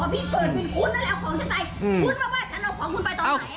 เพราะฉันเอาของคุณไปตอนไหน